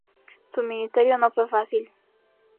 Su ministerio no fue fácil.